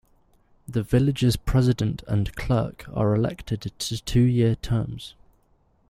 The village's president and clerk are elected to two-year terms.